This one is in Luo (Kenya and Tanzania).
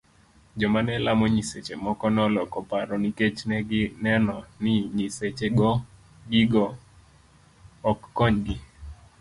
Joma nelamo nyiseche moko noloko paro nikech negi neno ni nyiseche gigo ok konygi.